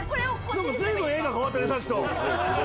随分画が変わったねさっきと。